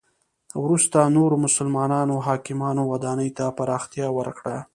وروسته نورو مسلمانو حاکمانو ودانی ته پراختیا ورکړه.